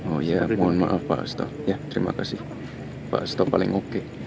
oh ya mohon maaf pak asto